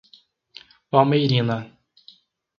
Palmeirina